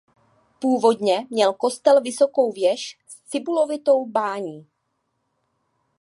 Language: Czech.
Původně měl kostel vysokou věž s cibulovitou bání.